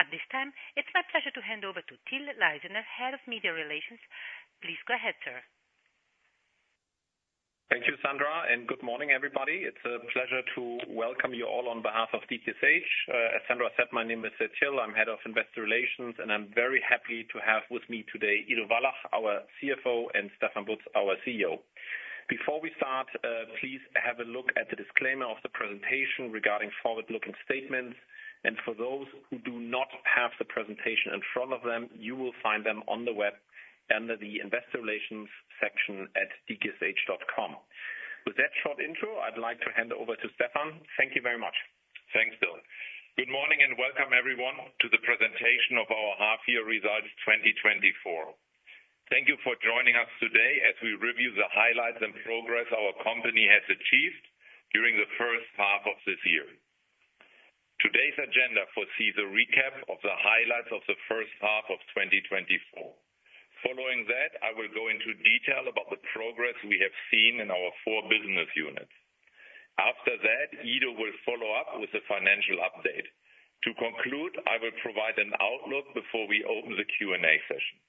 At this time, it's my pleasure to hand over to Till Leisner, Head of Media Relations. Please go ahead, sir. Thank you, Sandra, and good morning, everybody. It's a pleasure to welcome you all on behalf of DKSH. As Sandra said, my name is, Till, I'm Head of Investor Relations, and I'm very happy to have with me today, Ido Wallach, our CFO, and Stefan Butz, our CEO. Before we start, please have a look at the disclaimer of the presentation regarding forward-looking statements, and for those who do not have the presentation in front of them, you will find them on the web under the Investor Relations section at dksh.com. With that short intro, I'd like to hand over to Stefan. Thank you very much. Thanks, Till. Good morning, and welcome everyone to the presentation of our half year results, 2024. Thank you for joining us today as we review the highlights and progress our company has achieved during the first half of this year. Today's agenda foresees a recap of the highlights of the first half of 2024. Following that, I will go into detail about the progress we have seen in our four business units. After that, Ido will follow up with a financial update. To conclude, I will provide an outlook before we open the Q&A session.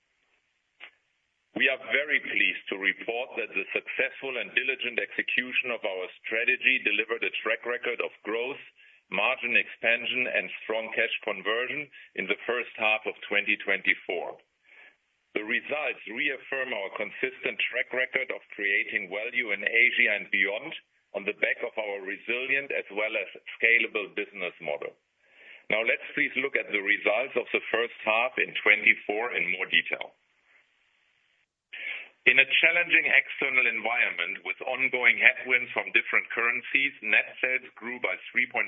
We are very pleased to report that the successful and diligent execution of our strategy delivered a track record of growth, margin expansion, and strong cash conversion in the first half of 2024. The results reaffirm our consistent track record of creating value in Asia and beyond on the back of our resilient as well as scalable business model. Now, let's please look at the results of the first half in 2024 in more detail. In a challenging external environment, with ongoing headwinds from different currencies, net sales grew by 3.3%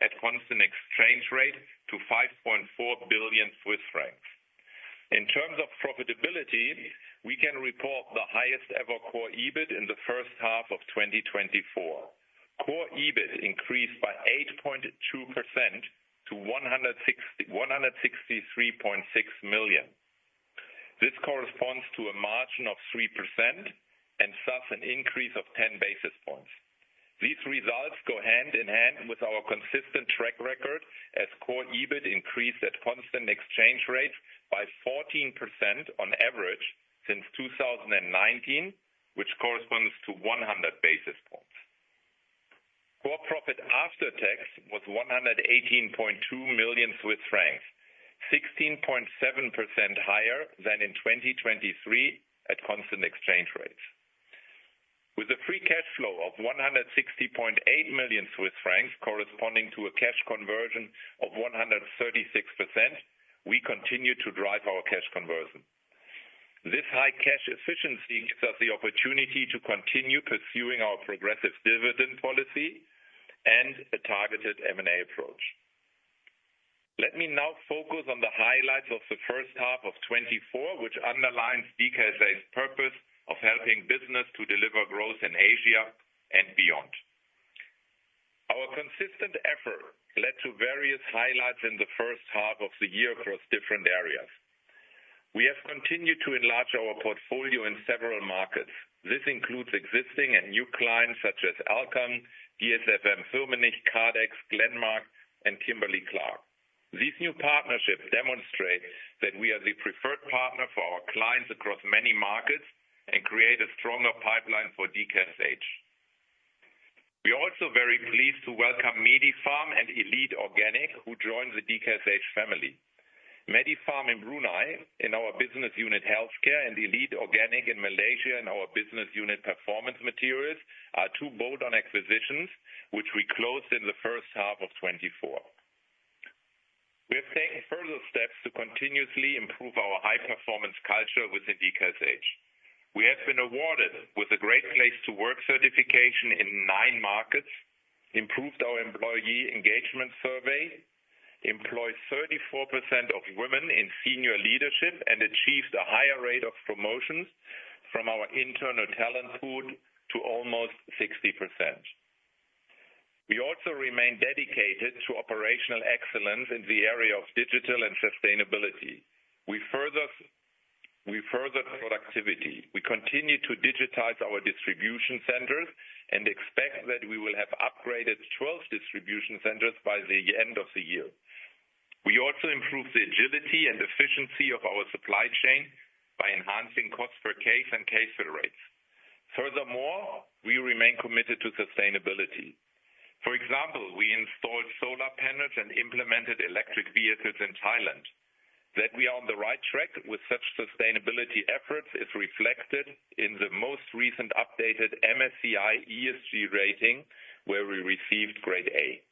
at constant exchange rate to 5.4 billion Swiss francs. In terms of profitability, we can report the highest ever core EBIT in the first half of 2024. Core EBIT increased by 8.2% to 163.6 million. This corresponds to a margin of 3% and thus an increase of 10 basis points. These results go hand in hand with our consistent track record, as core EBIT increased at constant exchange rates by 14% on average since 2019, which corresponds to 100 basis points. Core profit after tax was 118.2 million Swiss francs, 16.7% higher than in 2023 at constant exchange rates. With a free cash flow of 160.8 million Swiss francs, corresponding to a cash conversion of 136%, we continue to drive our cash conversion. This high cash efficiency gives us the opportunity to continue pursuing our progressive dividend policy and a targeted M&A approach. Let me now focus on the highlights of the first half of 2024, which underlines DKSH's purpose of helping business to deliver growth in Asia and beyond. Our consistent effort led to various highlights in the first half of the year across different areas. We have continued to enlarge our portfolio in several markets. This includes existing and new clients such as Alkem, dsm-firmenich, Haleon, Glenmark, and Kimberly-Clark. These new partnerships demonstrate that we are the preferred partner for our clients across many markets and create a stronger pipeline for DKSH. We are also very pleased to welcome Medi-Pharm and Elite Organic, who joined the DKSH family. Medi-Pharm in Brunei, in our business unit, Healthcare, and Elite Organic in Malaysia, in our business unit, Performance Materials, are two bolt-on acquisitions, which we closed in the first half of 2024. We have taken further steps to continuously improve our high-performance culture within DKSH. We have been awarded with a Great Place to Work certification in nine markets, improved our employee engagement survey, employed 34% of women in senior leadership, and achieved a higher rate of promotions from our internal talent pool to almost 60%. We also remain dedicated to operational excellence in the area of digital and sustainability. We further productivity. We continue to digitize our distribution centers and expect that we will have upgraded 12 distribution centers by the end of the year. We also improved the agility and efficiency of our supply chain by enhancing cost per case and case fill rates. Furthermore, we remain committed to sustainability. For example, we installed solar panels and implemented electric vehicles in Thailand. That we are on the right track with such sustainability efforts is reflected in the most recent updated MSCI ESG rating, where we received Grade A.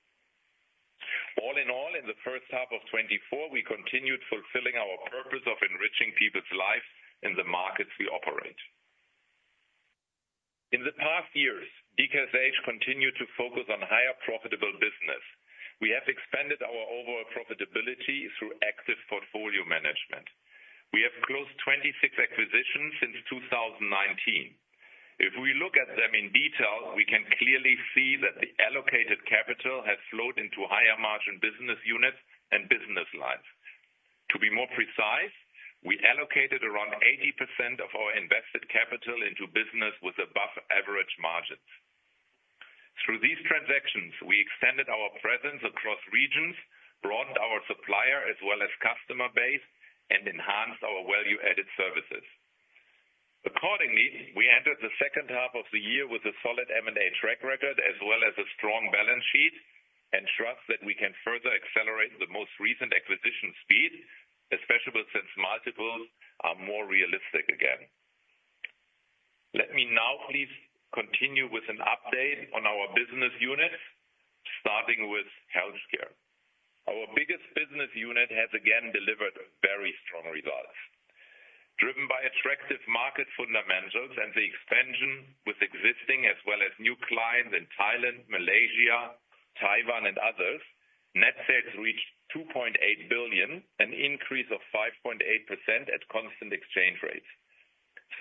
All in all, in the first half of 2024, we continued fulfilling our purpose of enriching people's lives in the markets we operate. In the past years, DKSH continued to focus on higher profitable business. We have expanded our overall profitability through active portfolio management. We have closed 26 acquisitions since 2019. If we look at them in detail, we can clearly see that the allocated capital has flowed into higher margin business units and business lines. To be more precise, we allocated around 80% of our invested capital into business with above-average margins. Through these transactions, we extended our presence across regions, broadened our supplier as well as customer base, and enhanced our value-added services. Accordingly, we entered the second half of the year with a solid M&A track record, as well as a strong balance sheet, and trust that we can further accelerate the most recent acquisition speed, especially since multiples are more realistic again. Let me now please continue with an update on our business units, starting with healthcare. Our biggest business unit has again delivered very strong results. Driven by attractive market fundamentals and the expansion with existing as well as new clients in Thailand, Malaysia, Taiwan, and others, net sales reached 2.8 billion, an increase of 5.8% at constant exchange rates.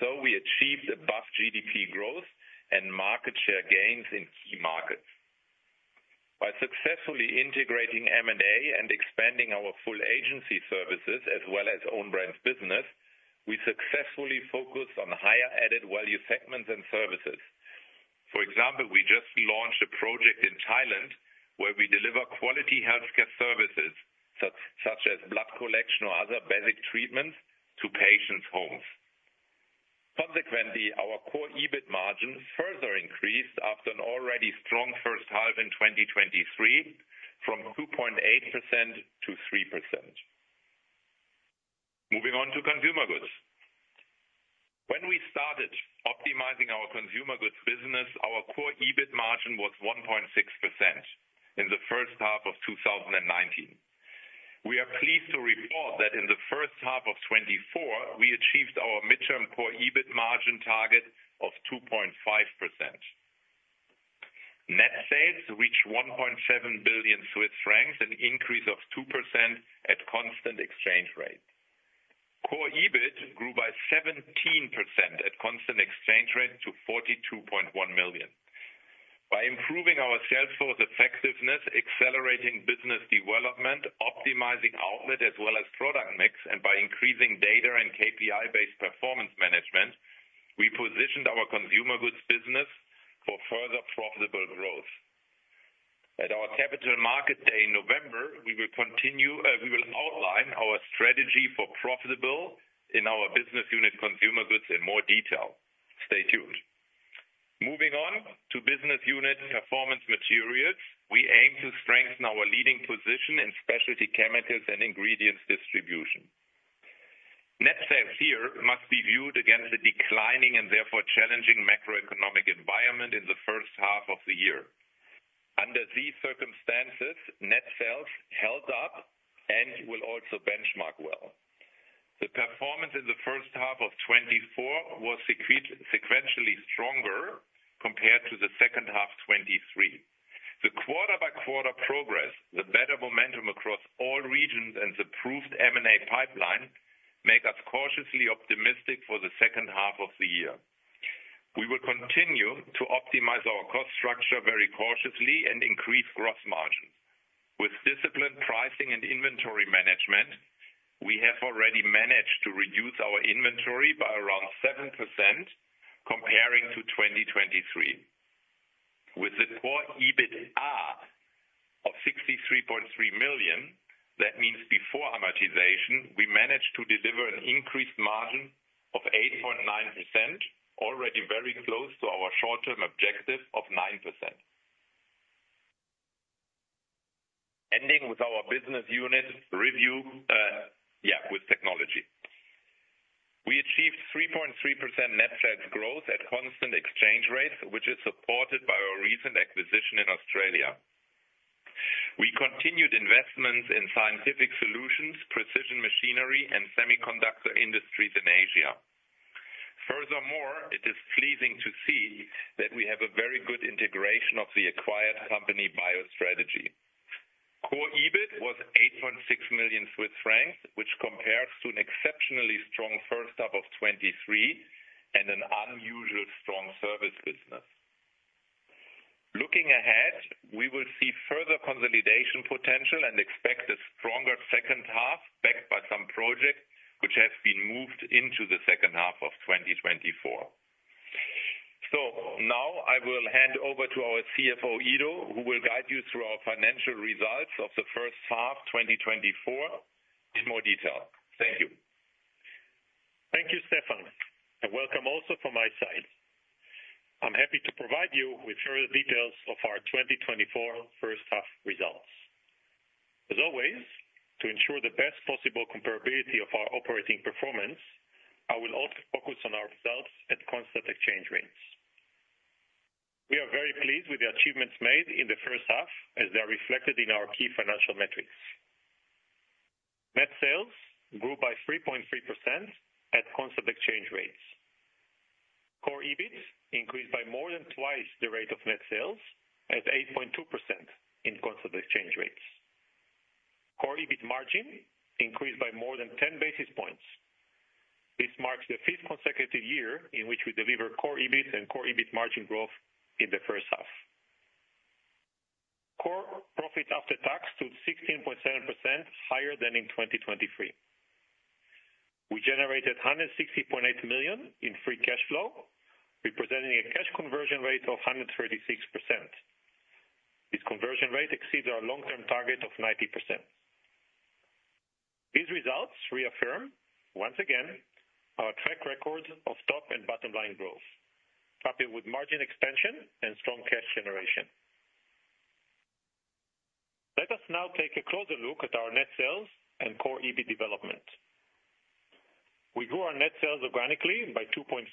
So we achieved above GDP growth and market share gains in key markets. By successfully integrating M&A and expanding our full agency services as well as own brands business, we successfully focus on higher added value segments and services. For example, we just launched a project in Thailand where we deliver quality healthcare services, such as blood collection or other basic treatments to patients' homes. Consequently, our core EBIT margin further increased after an already strong first half in 2023 from 2.8% to 3%. Moving on to consumer goods. When we started optimizing our consumer goods business, our core EBIT margin was 1.6% in the first half of 2019. We are pleased to report that in the first half of 2024, we achieved our midterm core EBIT margin target of 2.5%. Net sales reached 1.7 billion Swiss francs, an increase of 2% at constant exchange rate. Core EBIT grew by 17% at constant exchange rate to 42.1 million. By improving our sales force effectiveness, accelerating business development, optimizing outlet, as well as product mix, and by increasing data and KPI-based performance management, we positioned our consumer goods business for further profitable growth. At our Capital Market Day in November, we will continue, we will outline our strategy for profitable in our Business Unit Consumer Goods in more detail. Stay tuned. Moving on to Business Unit Performance Materials, we aim to strengthen our leading position in specialty chemicals and ingredients distribution. Net sales here must be viewed against the declining and therefore challenging macroeconomic environment in the first half of the year. Under these circumstances, net sales held up and will also benchmark well. The performance in the first half of 2024 was sequentially stronger compared to the second half 2023. The quarter-by-quarter progress, the better momentum across all regions, and the proved M&A pipeline make us cautiously optimistic for the second half of the year. We will continue to optimize our cost structure very cautiously and increase gross margin. With disciplined pricing and inventory management, we have already managed to reduce our inventory by around 7% comparing to 2023. With the core EBITDA of 63.3 million, that means before amortization, we managed to deliver an increased margin of 8.9%, already very close to our short-term objective of 9%. Ending with our business unit review, with technology. We achieved 3.3% net sales growth at constant exchange rates, which is supported by our recent acquisition in Australia. We continued investments in scientific solutions, precision machinery, and semiconductor industries in Asia. Furthermore, it is pleasing to see that we have a very good integration of the acquired company Bio-Strategy. Core EBIT was 8.6 million Swiss francs, which compares to an exceptionally strong first half of 2023 and an unusually strong service business. Looking ahead, we will see further consolidation potential and expect a stronger second half, backed by some projects which have been moved into the second half of 2024. So now I will hand over to our CFO, Ido, who will guide you through our financial results of the first half, 2024, in more detail. Thank you. Thank you, Stefan, and welcome also from my side. I'm happy to provide you with further details of our 2024 first half results. As always, to ensure the best possible comparability of our operating performance, I will also focus on our results at constant exchange rates. We are very pleased with the achievements made in the first half, as they are reflected in our key financial metrics. Net sales grew by 3.3% at constant exchange rates. Core EBIT increased by more than twice the rate of net sales, at 8.2% in constant exchange rates. Core EBIT margin increased by more than ten basis points. This marks the fifth consecutive year in which we deliver core EBIT and core EBIT margin growth in the first half. Core profit after tax to 16.7% higher than in 2023. We generated 160.8 million in free cash flow, representing a cash conversion rate of 136%. This conversion rate exceeds our long-term target of 90%. These results reaffirm, once again, our track record of top and bottom line growth, coupled with margin expansion and strong cash generation. Let us now take a closer look at our net sales and core EBIT development. We grew our net sales organically by 2.3%.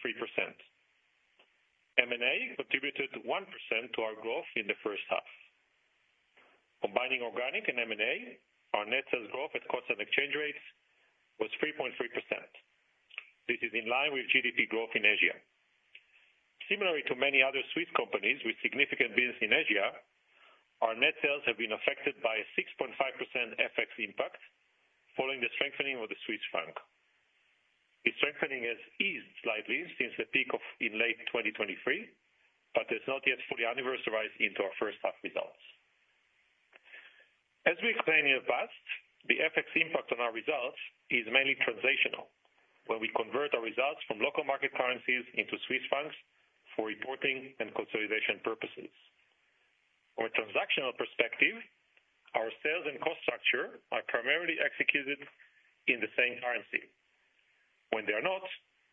M&A contributed 1% to our growth in the first half. Combining organic and M&A, our net sales growth at constant exchange rates was 3.3%. This is in line with GDP growth in Asia. Similarly to many other Swiss companies with significant business in Asia, our net sales have been affected by a 6.5% FX impact following the strengthening of the Swiss franc. The strengthening has eased slightly since the peak in late 2023, but has not yet fully anniversarized into our first half results. As we explained in the past, the FX impact on our results is mainly transitional. When we convert our results from local market currencies into Swiss francs for reporting and consolidation purposes. From our transactional perspective, our sales and cost structure are primarily executed in the same currency. When they are not,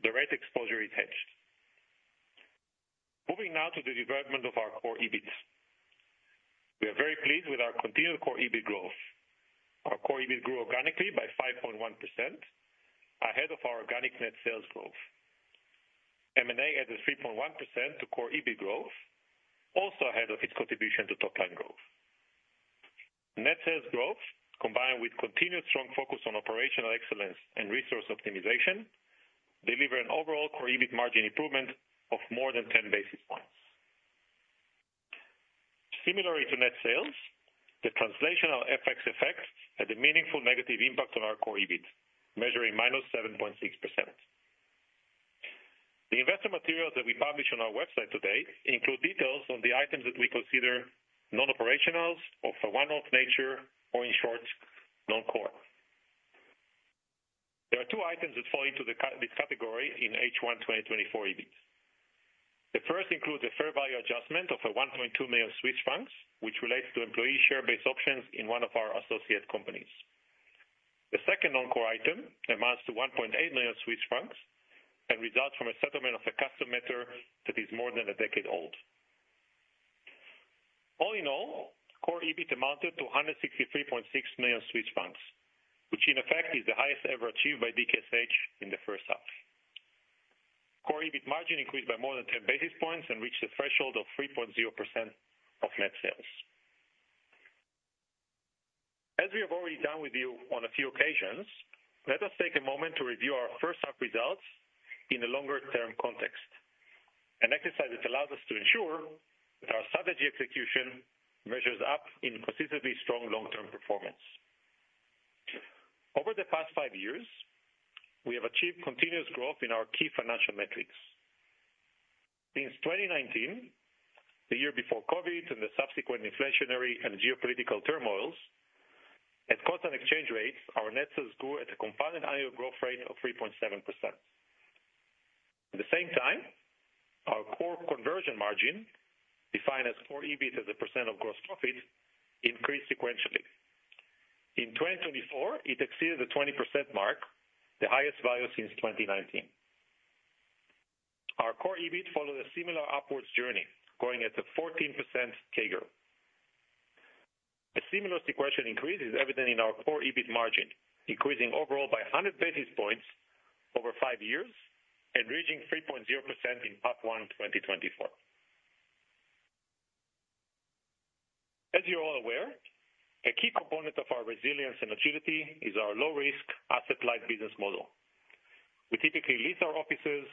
the rate exposure is hedged. Moving now to the development of our core EBIT. We are very pleased with our continued core EBIT growth. Our core EBIT grew organically by 5.1%, ahead of our organic net sales growth. M&A added 3.1% to core EBIT growth, also ahead of its contribution to top line growth. Net sales growth, combined with continued strong focus on operational excellence and resource optimization, deliver an overall core EBIT margin improvement of more than 10 basis points. Similar to net sales, the translational FX effect had a meaningful negative impact on our core EBIT, measuring -7.6%. The investor materials that we published on our website today include details on the items that we consider non-operationals or for one-off nature, or in short, non-core. There are two items that fall into this category in H1 2024 EBIT. The first includes a fair value adjustment of 1.2 million Swiss francs, which relates to employee share-based options in one of our associate companies. The second non-core item amounts to 1.8 million Swiss francs, and results from a settlement of a customs matter that is more than a decade old. All in all, core EBIT amounted to 163.6 million Swiss francs, which in effect is the highest ever achieved by DKSH in the first half. Core EBIT margin increased by more than 10 basis points and reached a threshold of 3.0% of net sales. As we have already done with you on a few occasions, let us take a moment to review our first half results in a longer-term context. An exercise that allows us to ensure that our strategy execution measures up in consistently strong long-term performance. Over the past five years, we have achieved continuous growth in our key financial metrics. Since 2019, the year before COVID and the subsequent inflationary and geopolitical turmoils, at constant exchange rates, our net sales grew at a compound annual growth rate of 3.7%. At the same time, our core conversion margin, defined as core EBIT as a percent of gross profit, increased sequentially. In 2024, it exceeded the 20% mark, the highest value since 2019. Our core EBIT followed a similar upwards journey, growing at a 14% CAGR. A similar sequential increase is evident in our core EBIT margin, increasing overall by 100 basis points over five years and reaching 3.0% in H1 2024. As you're all aware, a key component of our resilience and agility is our low risk asset light business model. We typically lease our offices,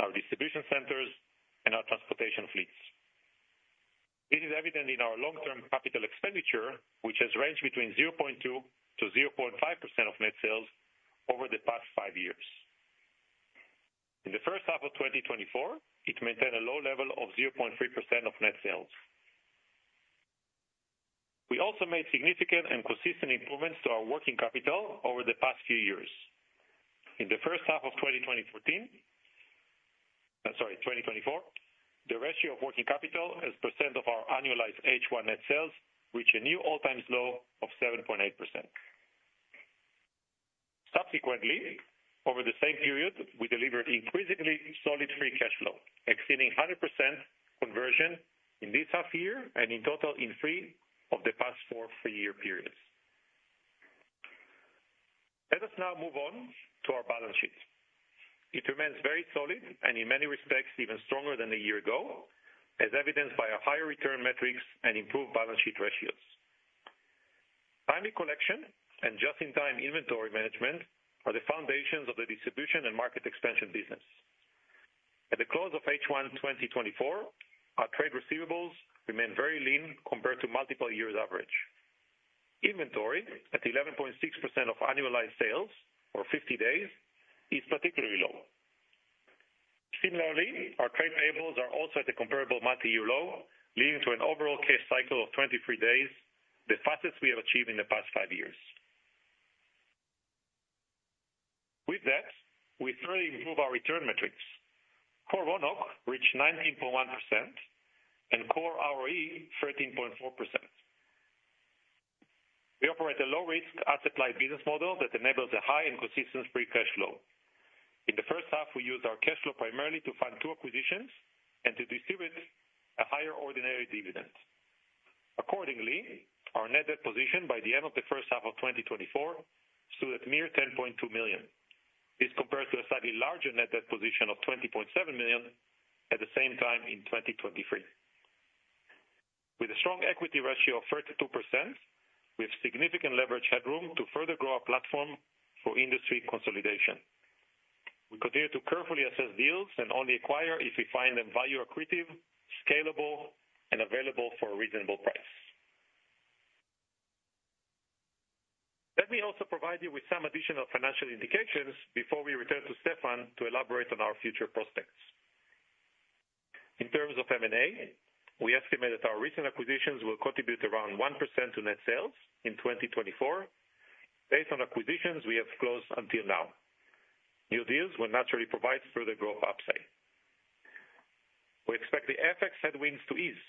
our distribution centers, and our transportation fleets. This is evident in our long-term capital expenditure, which has ranged between 0.2%-0.5% of net sales over the past five years. In the first half of 2024, it maintained a low level of 0.3% of net sales. We also made significant and consistent improvements to our working capital over the past few years. In the first half of 2024, the ratio of working capital as percent of our annualized H1 net sales reached a new all-time low of 7.8%. Subsequently, over the same period, we delivered increasingly solid free cash flow, exceeding 100% conversion in this half year and in total in three of the past four full year periods. Let us now move on to our balance sheet. It remains very solid and in many respects, even stronger than a year ago, as evidenced by our higher return metrics and improved balance sheet ratios. Timing collection and just-in-time inventory management are the foundations of the distribution and market expansion business. At the close of H1 2024, our trade receivables remain very lean compared to multiple years average. Inventory at 11.6% of annualized sales for 50 days, is particularly low. Similarly, our trade payables are also at a comparable multi-year low, leading to an overall cash cycle of 23 days, the fastest we have achieved in the past 5 years. With that, we further improve our return metrics. Core RONOC reached 19.1% and core ROE 13.4%. We operate a low risk asset-light business model that enables a high and consistent free cash flow. In the first half, we used our cash flow primarily to fund 2 acquisitions and to distribute a higher ordinary dividend. Accordingly, our net debt position by the end of the first half of 2024 stood at 10.2 million. This compared to a slightly larger net debt position of 20.7 million at the same time in 2023. With a strong equity ratio of 32%, we have significant leverage headroom to further grow our platform for industry consolidation. We continue to carefully assess deals and only acquire if we find them value accretive, scalable, and available for a reasonable price. Let me also provide you with some additional financial indications before we return to Stefan to elaborate on our future prospects. In terms of M&A, we estimate that our recent acquisitions will contribute around 1% to net sales in 2024, based on acquisitions we have closed until now. New deals will naturally provide further growth upside. We expect the FX headwinds to ease.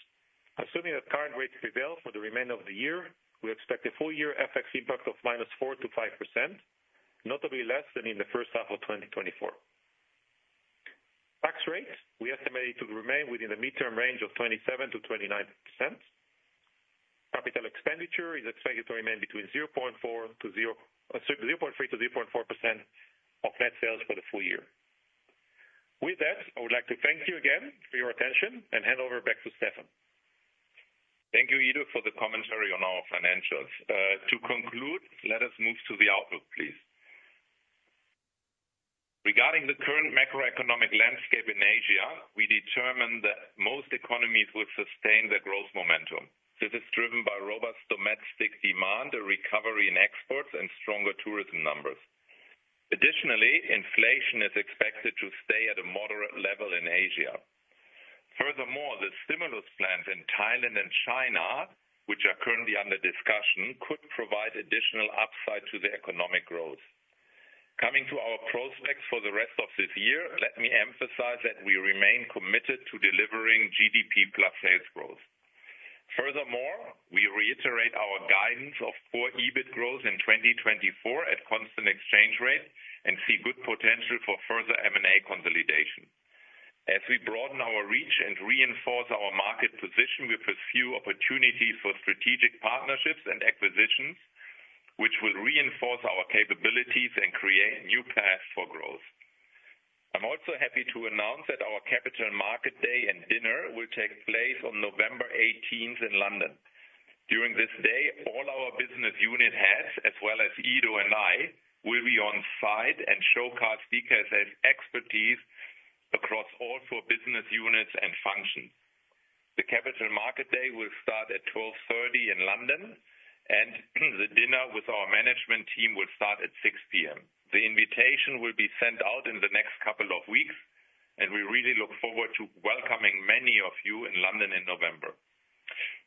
Assuming that current rates prevail for the remainder of the year, we expect a full year FX impact of -4% to -5%, notably less than in the first half of 2024. Tax rates, we estimate to remain within the mid-term range of 27%-29%. Capital expenditure is expected to remain between 0.3%-0.4% of net sales for the full year. With that, I would like to thank you again for your attention and hand over back to Stefan. Thank you, Ido, for the commentary on our financials. To conclude, let us move to the outlook, please. Regarding the current macroeconomic landscape in Asia, we determined that most economies will sustain their growth momentum. This is driven by robust domestic demand, a recovery in exports, and stronger tourism numbers. Additionally, inflation is expected to stay at a moderate level in Asia. Furthermore, the stimulus plans in Thailand and China, which are currently under discussion, could provide additional upside to the economic growth. Coming to our prospects for the rest of this year, let me emphasize that we remain committed to delivering GDP plus sales growth. Furthermore, we reiterate our guidance of core EBIT growth in 2024 at constant exchange rate and see good potential for further M&A consolidation. As we broaden our reach and reinforce our market position, we pursue opportunities for strategic partnerships and acquisitions, which will reinforce our capabilities and create new paths for growth. I'm also happy to announce that our Capital Market Day and dinner will take place on November eighteenth in London. During this day, all our business unit heads, as well as Ido and I, will be on site and showcase DKSH's expertise across all four business units and functions. The Capital Market Day will start at 12:30 P.M. in London, and the dinner with our management team will start at 6:00 P.M. The invitation will be sent out in the next couple of weeks, and we really look forward to welcoming many of you in London in November.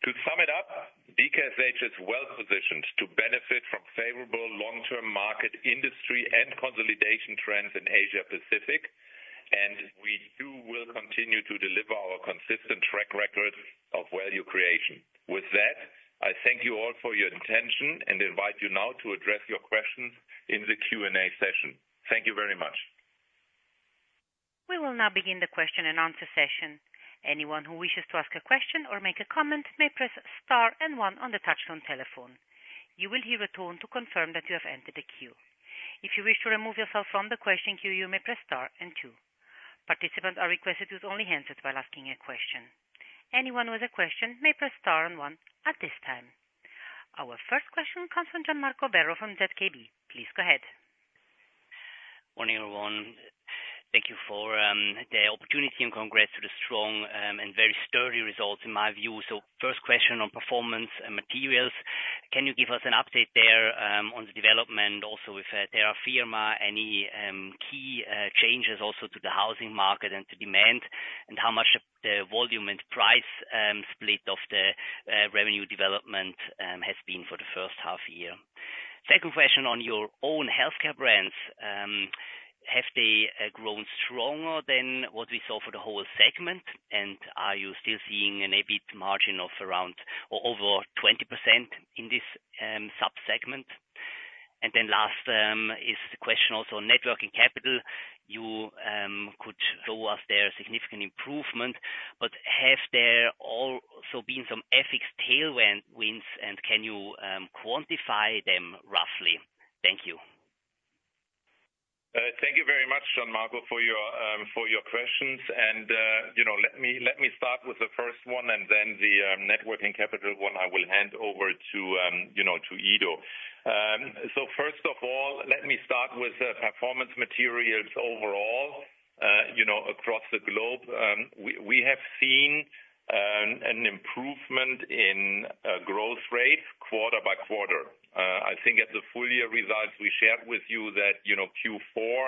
To sum it up, DKSH is well positioned to benefit from favorable long-term market, industry, and consolidation trends in Asia Pacific, and we will continue to deliver our consistent track record of value creation. With that, I thank you all for your attention and invite you now to address your questions in the Q&A session. Thank you very much. We will now begin the question and answer session. Anyone who wishes to ask a question or make a comment may press star and one on the touch-tone telephone. You will hear a tone to confirm that you have entered the queue. If you wish to remove yourself from the question queue, you may press star and two. Participants are requested to only answer while asking a question. Anyone with a question may press star and one at this time. Our first question comes from Gian Marco Werro from ZKB. Please go ahead. Morning, everyone. Thank you for the opportunity and congrats to the strong and very sturdy results, in my view. So first question on Performance Materials: Can you give us an update there on the development, also with Terra Firma, any key changes also to the housing market and to demand, and how much of the volume and price split of the revenue development has been for the first half year? Second question on your own healthcare brands, have they grown stronger than what we saw for the whole segment? And are you still seeing an EBIT margin of around or over 20% in this sub-segment? And then last is the question also on net working capital. You could show us the significant improvement, but has there also been some FX tailwinds, and can you quantify them roughly? Thank you. Thank you very much, Gian Marco, for your questions. And, you know, let me start with the first one, and then the net working capital one, I will hand over to, you know, to Ido. So first of all, let me start with the Performance Materials overall. You know, across the globe, we have seen an improvement in growth rate quarter by quarter. I think at the full year results, we shared with you that, you know, Q4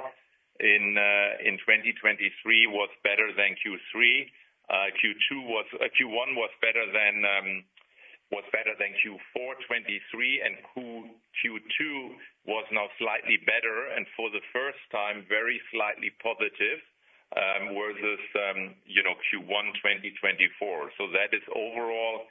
in 2023 was better than Q3. Q1 was better than Q4 2023, and Q2 was now slightly better, and for the first time, very slightly positive versus Q1 2024. So that is overall,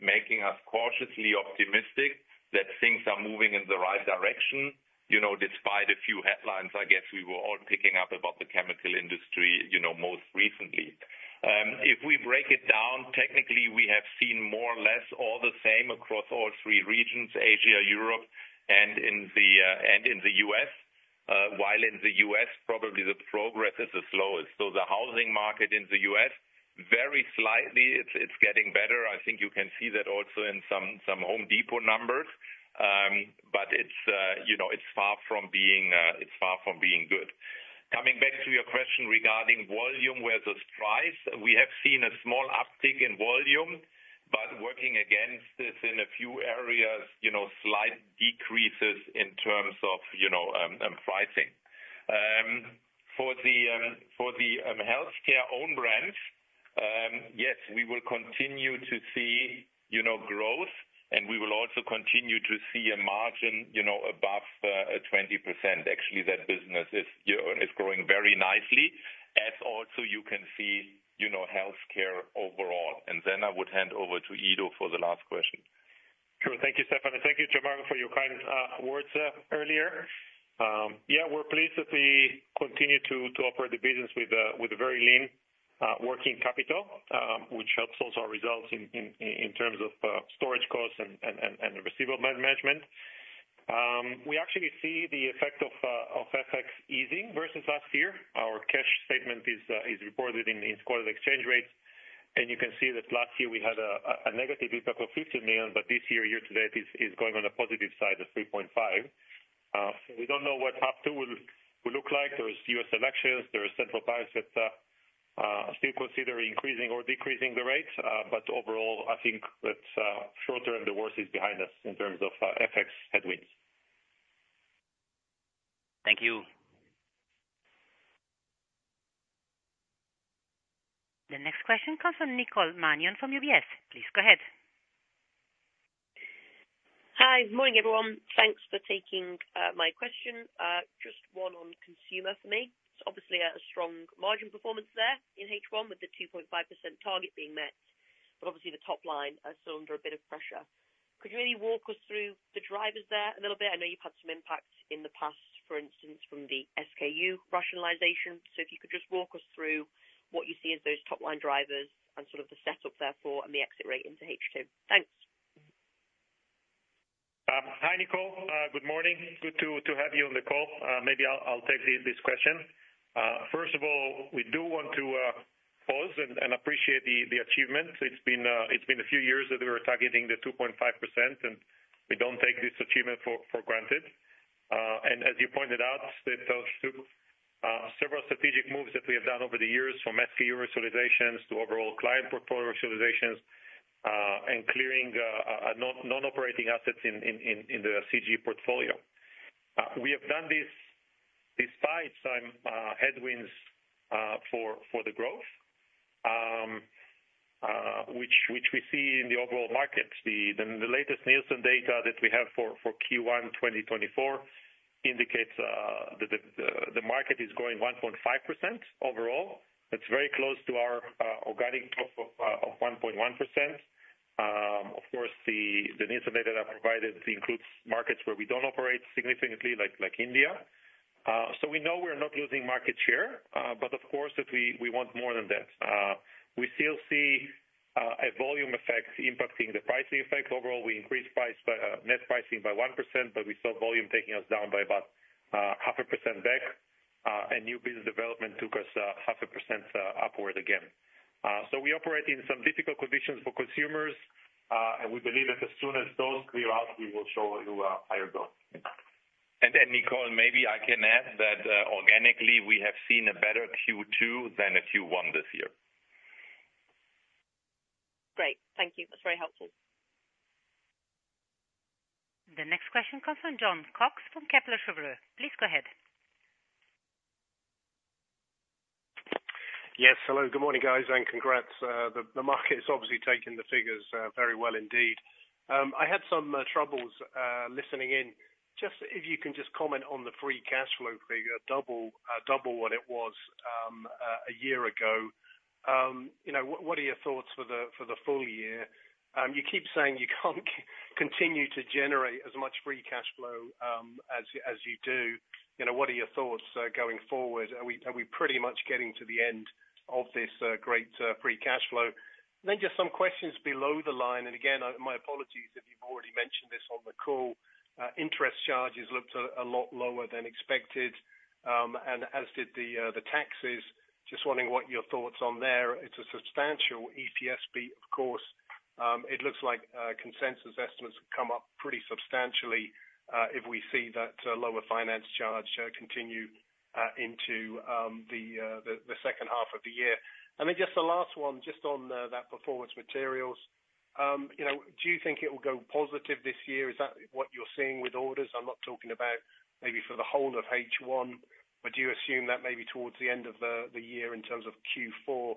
making us cautiously optimistic that things are moving in the right direction, you know, despite a few headlines, I guess we were all picking up about the chemical industry, you know, most recently. If we break it down, technically, we have seen more or less all the same across all three regions, Asia, Europe, and in the U.S., while in the U.S., probably the progress is the slowest. So the housing market in the U.S., very slightly, it's getting better. I think you can see that also in some Home Depot numbers. But it's, you know, it's far from being good. Coming back to your question regarding volume versus price, we have seen a small uptick in volume, but working against this in a few areas, you know, slight decreases in terms of, you know, pricing. For the, for the, healthcare own brands, yes, we will continue to see, you know, growth, and we will also continue to see a margin, you know, above 20%. Actually, that business is, you know, is growing very nicely, as also you can see, you know, healthcare overall. And then I would hand over to Ido for the last question. Sure. Thank you, Stefan, and thank you, Gian Marco, for your kind words earlier. Yeah, we're pleased that we continue to operate the business with a very lean working capital, which helps also our results in terms of storage costs and the receivable management. We actually see the effect of FX easing versus last year. Our cash statement is reported in quarter exchange rates, and you can see that last year we had a negative impact of 50 million, but this year, year to date, is going on the positive side of 3.5 million. So we don't know what half two will look like. There is U.S. elections, there is central banks that still consider increasing or decreasing the rates. Overall, I think that, short-term, the worst is behind us in terms of FX headwinds. Thank you. The next question comes from Nicole Manion, from UBS. Please go ahead. Hi, good morning, everyone. Thanks for taking my question. Just one on consumer for me. It's obviously a strong margin performance there in H1 with the 2.5% target being met, but obviously the top line are still under a bit of pressure. Could you maybe walk us through the drivers there a little bit? I know you've had some impacts in the past, for instance, from the SKU rationalization. So if you could just walk us through what you see as those top-line drivers and sort of the setup therefore, and the exit rate into H2. Thanks. Hi, Nicole. Good morning. Good to have you on the call. Maybe I'll take this question. First of all, we do want to pause and appreciate the achievement. It's been a few years that we were targeting the 2.5%, and we don't take this achievement for granted. And as you pointed out, that took several strategic moves that we have done over the years from SKU rationalizations to overall client portfolio rationalizations, and clearing non-operating assets in the CG portfolio. We have done this despite some headwinds for the growth, which we see in the overall market. The latest Nielsen data that we have for Q1 2024 indicates that the market is growing 1.5% overall. That's very close to our organic growth of 1.1%. Of course, the Nielsen data that I provided includes markets where we don't operate significantly, like India. So we know we're not losing market share, but of course, that we want more than that. We still see a volume effect impacting the pricing effect. Overall, we increased price by net pricing by 1%, but we saw volume taking us down by about half a percent back, and new business development took us half a percent upward again. We operate in some difficult conditions for consumers, and we believe that as soon as those clear out, we will show you a higher growth. And, Nicole, maybe I can add that, organically, we have seen a better Q2 than a Q1 this year. Great. Thank you. That's very helpful. The next question comes from Jon Cox from Kepler Cheuvreux. Please go ahead. Yes, hello, good morning, guys, and congrats. The market has obviously taken the figures very well indeed. I had some troubles listening in. Just if you can just comment on the free cash flow figure, double, double what it was a year ago. You know, what are your thoughts for the full year? You keep saying you can't continue to generate as much free cash flow as you do. You know, what are your thoughts going forward? Are we pretty much getting to the end of this great free cash flow? Then just some questions below the line, and again, my apologies if you've already mentioned this on the call. Interest charges looked a lot lower than expected, and as did the taxes. Just wondering what your thoughts on there. It's a substantial EPS beat, of course. It looks like consensus estimates have come up pretty substantially, if we see that lower finance charge continue into the second half of the year. And then just the last one, just on that performance materials. You know, do you think it will go positive this year? Is that what you're seeing with orders? I'm not talking about maybe for the whole of H1, but do you assume that maybe towards the end of the year in terms of Q4,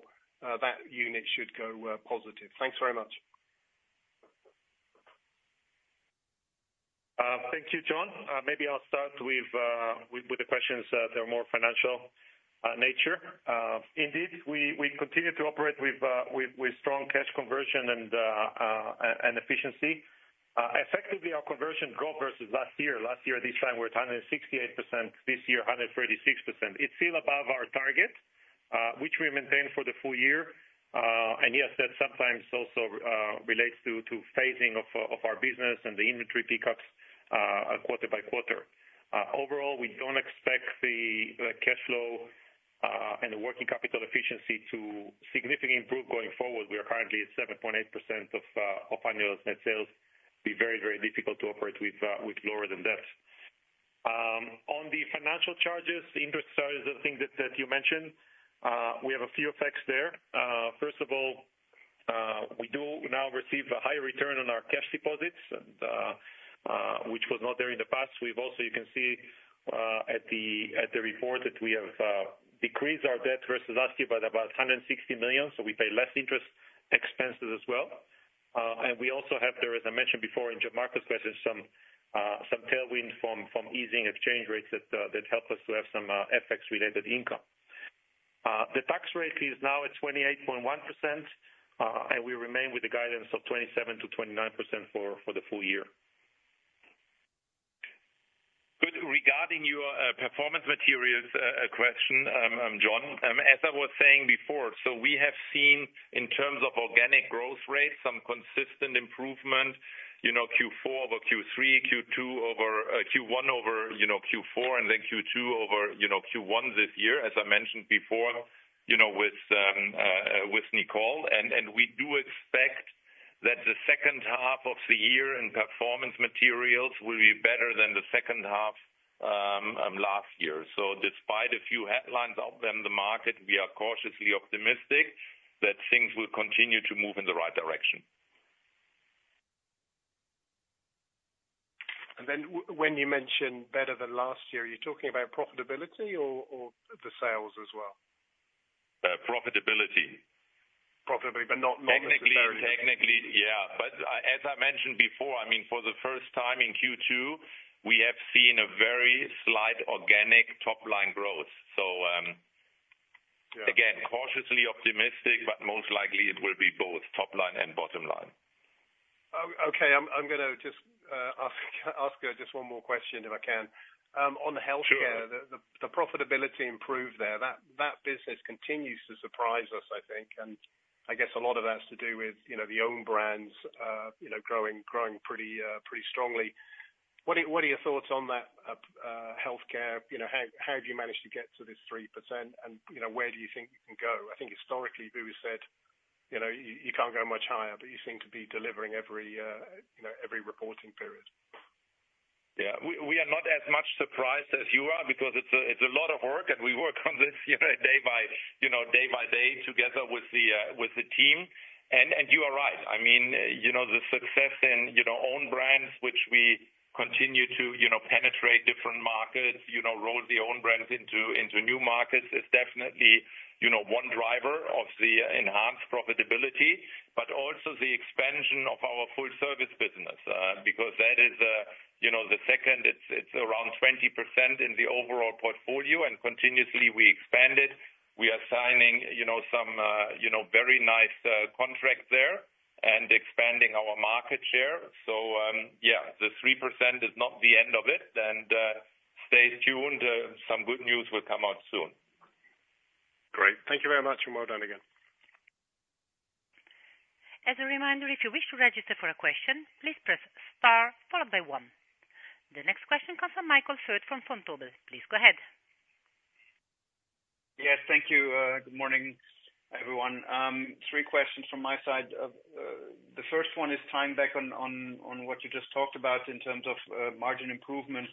that unit should go positive? Thanks very much. Thank you, Jon. Maybe I'll start with the questions that are more financial nature. Indeed, we continue to operate with strong cash conversion and efficiency. Effectively, our conversion growth versus last year, last year at this time, were at 168%, this year 136%. It's still above our target, which we maintain for the full year. And yes, that sometimes also relates to phasing of our business and the inventory peaks, quarter by quarter. Overall, we don't expect the cash flow and the working capital efficiency to significantly improve going forward. We are currently at 7.8% of annual net sales, be very, very difficult to operate with lower than that. On the financial charges, interest charges, the thing that you mentioned, we have a few effects there. First of all, we do now receive a higher return on our cash deposits, and which was not there in the past. We've also, you can see, at the report, that we have decreased our debt versus last year by about 160 million, so we pay less interest expenses as well. And we also have there, as I mentioned before in Gian Marco's question, some tailwinds from easing exchange rates that help us to have some FX-related income. The tax rate is now at 28.1%, and we remain with the guidance of 27%-29% for the full year. Good. Regarding your performance materials question, John, as I was saying before, so we have seen in terms of organic growth rate, some consistent improvement, you know, Q4 over Q3, Q2 over Q1 over Q4, and then Q2 over Q1 this year, as I mentioned before, you know, with Nicole. And we do expect that the second half of the year in Performance Materials will be better than the second half last year. So despite a few headlines out there in the market, we are cautiously optimistic that things will continue to move in the right direction. And then, when you mention better than last year, are you talking about profitability or, or the sales as well? Uh, profitability. Profitability, but not— Technically, technically, yeah. But as I mentioned before, I mean, for the first time in Q2, we have seen a very slight organic top line growth. So, Yeah. Again, cautiously optimistic, but most likely it will be both top line and bottom line. Okay. I'm gonna just ask one more question if I can. On the healthcare the profitability improved there. That business continues to surprise us, I think. And I guess a lot of that's to do with, you know, the own brands, you know, growing pretty strongly. What are your thoughts on that, healthcare? You know, how have you managed to get to this 3%, and, you know, where do you think you can go? I think historically, you said, you know, you can't go much higher, but you seem to be delivering every, you know, every reporting period. Yeah. We are not as much surprised as you are because it's a lot of work, and we work on this, you know, day by day together with the team. And you are right. I mean, you know, the success in own brands, which we continue to, you know, penetrate different markets, you know, roll the own brands into new markets, is definitely, you know, one driver of the enhanced profitability, but also the expansion of our full service business. Because that is, you know, the second it's around 20% in the overall portfolio, and continuously we expand it. We are signing, you know, some, you know, very nice contracts there and expanding our market share. So, yeah, the 3% is not the end of it. Stay tuned, some good news will come out soon. Great. Thank you very much, and well done again. As a reminder, if you wish to register for a question, please press star followed by one. The next question comes from Michael Foeth from Vontobel. Please go ahead. Yes, thank you. Good morning, everyone. 3 questions from my side. The first one is tying back on what you just talked about in terms of margin improvement.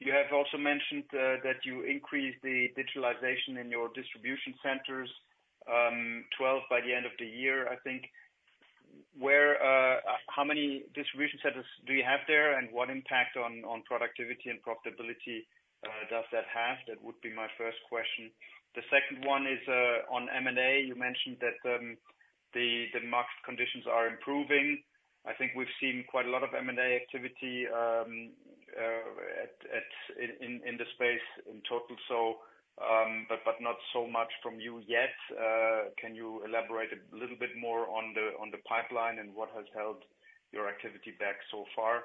You have also mentioned that you increased the digitalization in your distribution centers 12 by the end of the year, I think. Where, how many distribution centers do you have there, and what impact on productivity and profitability does that have? That would be my first question. The second one is on M&A. You mentioned that the market conditions are improving. I think we've seen quite a lot of M&A activity in the space in total, so, but not so much from you yet. Can you elaborate a little bit more on the pipeline and what has held your activity back so far?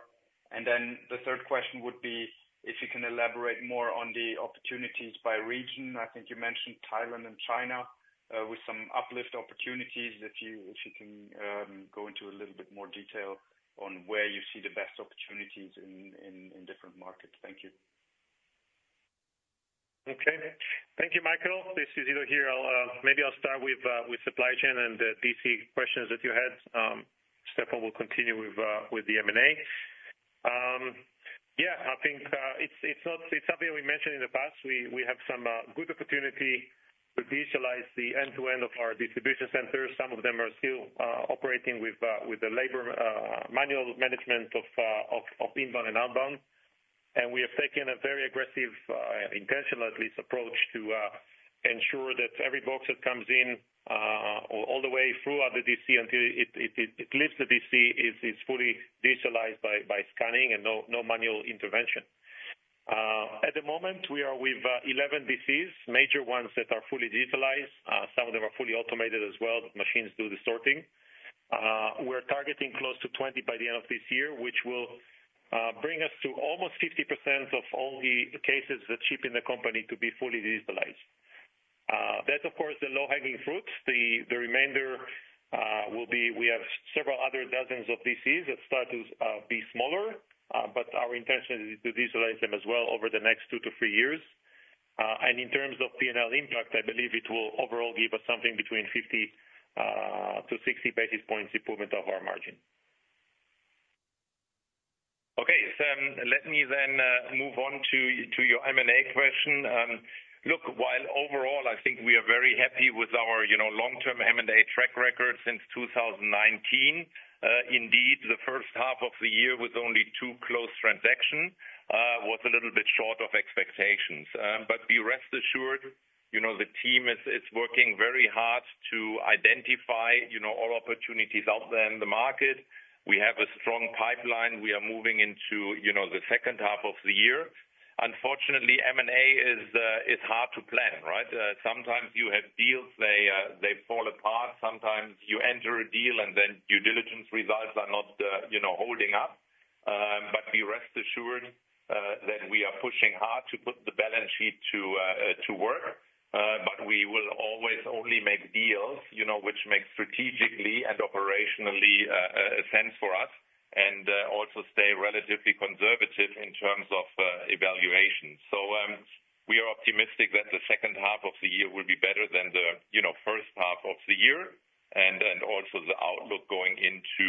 And then the third question would be if you can elaborate more on the opportunities by region. I think you mentioned Thailand and China, with some uplift opportunities, if you can go into a little bit more detail on where you see the best opportunities in different markets. Thank you. Okay. Thank you, Michael. This is Ido here. I'll maybe start with the supply chain and the DC questions that you had. Stefan will continue with the M&A. Yeah, I think it's something we mentioned in the past. We have some good opportunity to visualize the end-to-end of our distribution centers. Some of them are still operating with the labor manual management of inbound and outbound. We have taken a very aggressive, intentionally at least, approach to ensure that every box that comes in, all the way throughout the DC, until it leaves the DC, is fully digitalized by scanning and no manual intervention. At the moment, we are with 11 DCs, major ones that are fully digitalized. Some of them are fully automated as well. The machines do the sorting. We're targeting close to 20 by the end of this year, which will bring us to almost 50% of all the cases that ship in the company to be fully digitalized. That's of course the low-hanging fruits. The remainder will be we have several other dozens of DCs that start to be smaller, but our intention is to digitalize them as well over the next 2-3 years. And in terms of P&L impact, I believe it will overall give us something between 50-60 basis points improvement of our margin. Okay. Let me then move on to your M&A question. Look, while overall, I think we are very happy with our, you know, long-term M&A track record since 2019. Indeed, the first half of the year with only two closed transactions was a little bit short of expectations. But be rest assured, you know, the team is working very hard to identify, you know, all opportunities out there in the market. We have a strong pipeline. We are moving into, you know, the second half of the year. Unfortunately, M&A is hard to plan, right? Sometimes you have deals, they fall apart. Sometimes you enter a deal and then due diligence results are not, you know, holding up. But be rest assured that we are pushing hard to put the balance sheet to work. But we will always only make deals, you know, which make strategically and operationally sense for us, and also stay relatively conservative in terms of evaluation. So, we are optimistic that the second half of the year will be better than the, you know, first half of the year and then also the outlook going into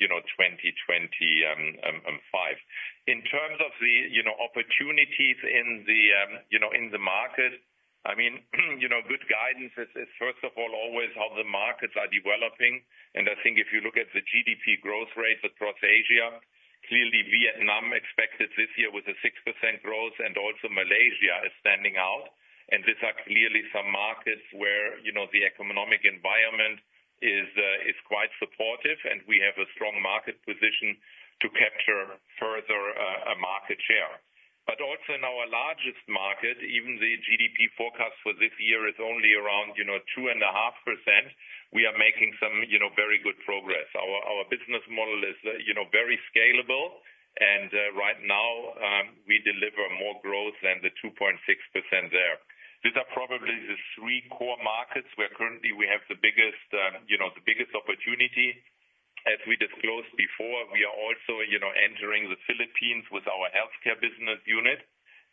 2025. In terms of the opportunities in the market, I mean, you know, good guidance is first of all always how the markets are developing. I think if you look at the GDP growth rates across Asia, clearly Vietnam expected this year with a 6% growth, and also Malaysia is standing out. And these are clearly some markets where, you know, the economic environment is quite supportive, and we have a strong market position to capture further market share. But also in our largest market, even the GDP forecast for this year is only around, you know, 2.5%. We are making some, you know, very good progress. Our business model is, you know, very scalable, and right now, we deliver more growth than the 2.6% there. These are probably the three core markets where currently we have the biggest opportunity. As we disclosed before, we are also, you know, entering the Philippines with our healthcare business unit.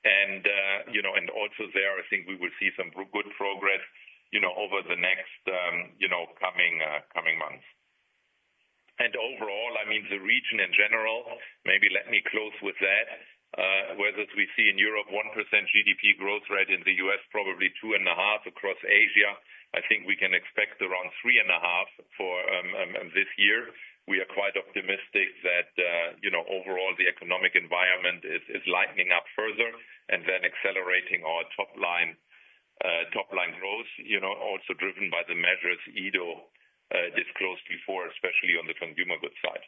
And, you know, and also there, I think we will see some pretty good progress, you know, over the next, you know, coming, coming months. And overall, I mean, the region in general, maybe let me close with that. Whereas we see in Europe, 1% GDP growth rate, in the U.S., probably 2.5, across Asia, I think we can expect around 3.5 for this year. We are quite optimistic that, you know, overall the economic environment is lightening up further and then accelerating our top line, top line growth, you know, also driven by the measures Ido disclosed before, especially on the consumer goods side.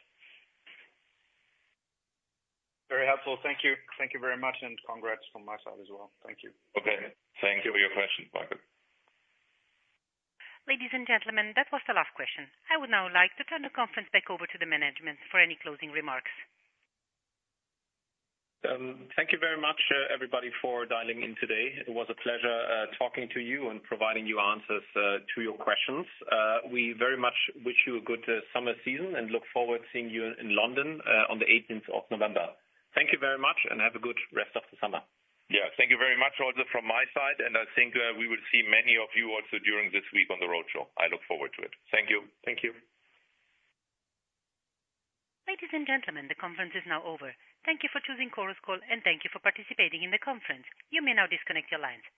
Very helpful. Thank you. Thank you very much, and congrats from my side as well. Thank you. Okay. Thank you for your question, Michael. Ladies and gentlemen, that was the last question. I would now like to turn the conference back over to the management for any closing remarks. Thank you very much, everybody, for dialing in today. It was a pleasure, talking to you and providing you answers to your questions. We very much wish you a good summer season and look forward to seeing you in London on the eighteenth of November. Thank you very much, and have a good rest of the summer. Yeah. Thank you very much also from my side, and I think, we will see many of you also during this week on the roadshow. I look forward to it. Thank you. Thank you. Ladies and gentlemen, the conference is now over. Thank you for choosing Chorus Call, and thank you for participating in the conference. You may now disconnect your lines. Goodbye.